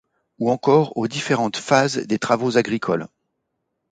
Ou encore aux différentes phases des travaux agricoles.